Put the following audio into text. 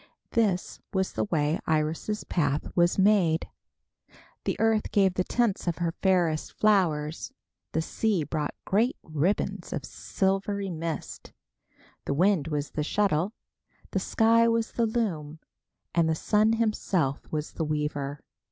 This was the way Iris' path was made: The earth gave the tints of her fairest flowers, the sea brought great ribbons of silvery mist, the wind was the shuttle, the sky was the loom and the Sun himself was the weaver.